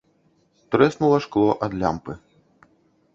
Трэснула шкло ад лямпы.